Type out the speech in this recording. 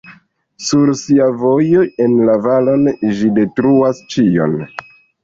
Sur sia vojo en la valon ĝi detruas ĉion.